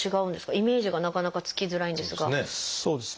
イメージがなかなかつきづらいんですが。